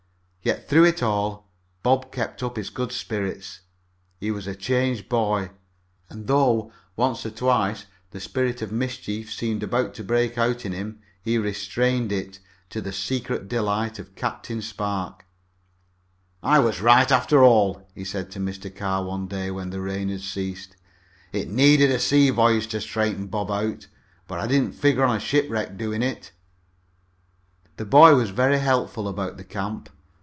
Yet through it all Bob kept up his good spirits. He was a changed boy, and though, once or twice, the spirit of mischief seemed about to break out in him, he restrained it, to the secret delight of Captain Spark. "I was right, after all," he said to Mr. Carr, one day when the rain had ceased. "It needed a sea voyage to straighten Bob out, but I didn't figure on a shipwreck doing it." The boy was very helpful about camp.